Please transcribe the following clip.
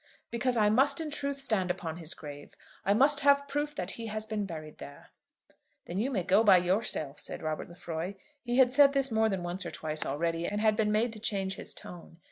"Because I must in truth stand upon his grave. I must have proof that he has been buried there." "Then you may go by yourself," said Robert Lefroy. He had said this more than once or twice already, and had been made to change his tone.